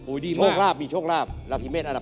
โอ้ยดีมากมีโชคลาภลาศีเมษอันดับ๑